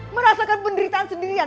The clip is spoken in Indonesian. merasakan penderitaan sendirian